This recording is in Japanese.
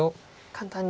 簡単に。